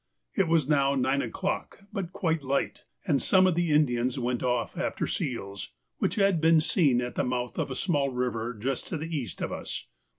It was now nine o'clock, but quite light, and some of the Indians went off after seals which had been seen in the mouth of a small river just to the east of us.